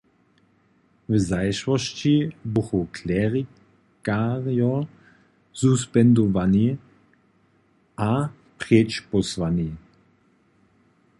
W zašłosći buchu klerikarjo suspendowani a preč pósłani.